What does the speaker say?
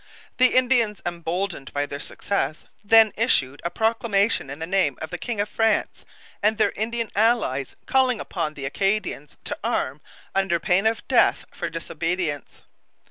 The Indians, emboldened by their success, then issued a proclamation in the name of the king of France and their Indian allies calling upon the Acadians to arm, under pain of death for disobedience.